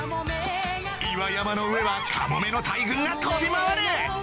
・岩山の上はカモメの大群が飛び回る